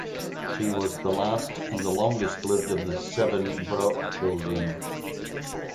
She was the last and the longest lived of the seven Brock children.